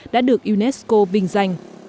đã được unesco vinh danh